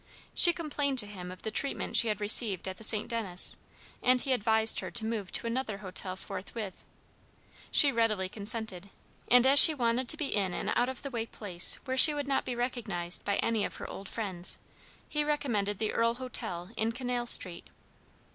She complained to him of the treatment she had received at the St. Denis, and he advised her to move to another hotel forthwith. She readily consented, and as she wanted to be in an out of the way place where she would not be recognized by any of her old friends, he recommended the Earle Hotel in Canal street.